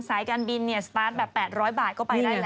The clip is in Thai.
สายการบินเนี่ยสตาร์ทแบบ๘๐๐บาทก็ไปได้แล้ว